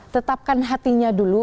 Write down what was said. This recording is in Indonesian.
tetapkan hatinya dulu